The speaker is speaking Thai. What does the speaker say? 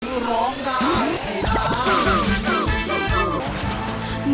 คือร้องกาลให้ตาม